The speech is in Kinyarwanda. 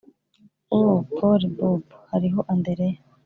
oh, pole bob, hariho andereya.